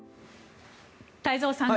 太蔵さん